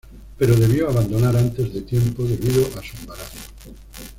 Pero debió abandonar antes de tiempo debido a su embarazo.